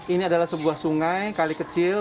ini adalah sebuah sungai kali kecil